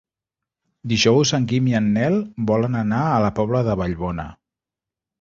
Dijous en Guim i en Nel volen anar a la Pobla de Vallbona.